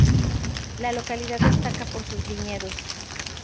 La localidad destaca por sus viñedos.